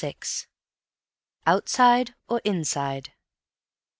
Outside Or Inside?